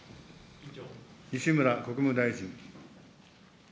西村国務大臣。